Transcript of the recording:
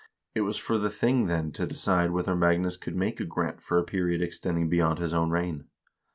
It was for the thing, then, to decide whether Magnus could make a grant for a period extending beyond his own reign.